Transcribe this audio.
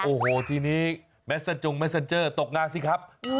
โอ้โหทีนี้เมสเซนเจอร์ตกงานสิครับ